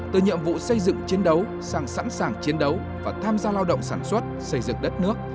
từ nhiệm vụ xây dựng chiến đấu sang sẵn sàng chiến đấu và tham gia lao động sản xuất xây dựng đất nước